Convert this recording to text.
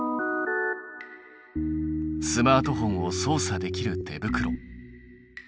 スマートフォンを操作できる手袋。